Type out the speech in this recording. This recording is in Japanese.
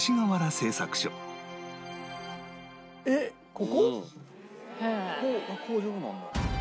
ここ工場なんだ。